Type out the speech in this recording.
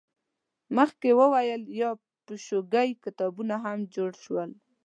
د مخکې ویلو یا پیشګویۍ کتابونه هم جوړ شول.